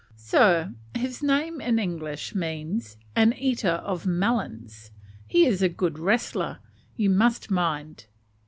"Sir, his name in English means 'An eater of melons:' he is a good wrestler; you must mind."